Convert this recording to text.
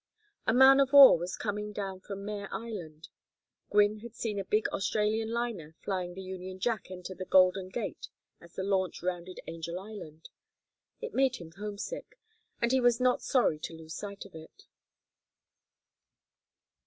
A man of war was coming down from Mare Island. Gwynne had seen a big Australian liner flying the Union Jack enter the Golden Gate as the launch rounded Angel Island. It made him homesick, and he was not sorry to lose sight of it.